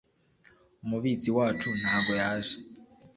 umubitsi wacu ntago yaje